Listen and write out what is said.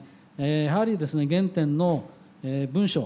やはりですね原点の文書。